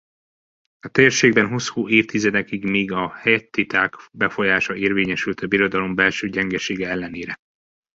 A térségben hosszú évtizedekig még a hettiták befolyása érvényesült a birodalom belső gyengesége ellenére.